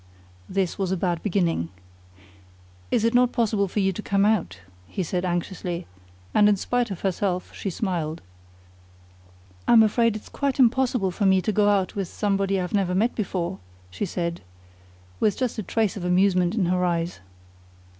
This was a bad beginning. "Is it not possible for you to come out?" he asked anxiously, and in spite of herself, she smiled. "I'm afraid it's quite impossible for me to go out with somebody I have never met before," she said, with just a trace of amusement in her eyes.